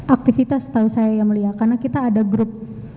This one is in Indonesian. aktivitas setahu saya yang mulia karena kita ada grup